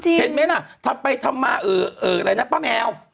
เห็นไหมล่ะทำไปทำมาอะไรนะป้าแมว